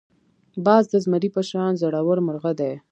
باز د زمري په شان زړور مرغه دی